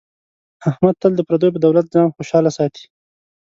احمد تل د پردیو په دولت ځان خوشحاله ساتي.